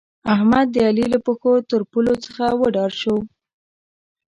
احمد؛ د علي له پښو ترپولو څخه وډار شو.